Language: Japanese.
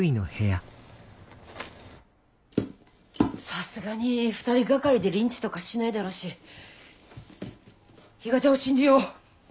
さすがに２人がかりでリンチとかしないだろうし比嘉ちゃんを信じよう。